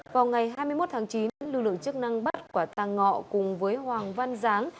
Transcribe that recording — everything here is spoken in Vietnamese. vào ngày hai mươi một tháng chín lực lượng chức năng bắt quả tăng ngọ cùng với hoàng văn giáng